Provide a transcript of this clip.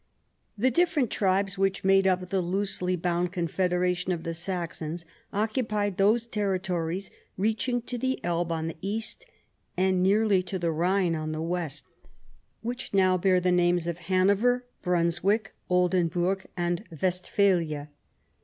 The different tribes which made up the looselji bound confederation of the Saxons occupied those territories reaching to the Elbe on the east, and nearly to the Rhine on the west, which now bear the names of Hanover, Brunswick, Oldenburgh and Westphalia.